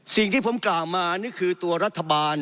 สิ่งที่ผมกล่าวมานี่คือตัวรัฐบาล